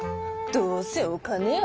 どうせお金やろ。